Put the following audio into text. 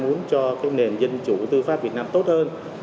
muốn cho cái nền dân chủ tư pháp việt nam tốt hơn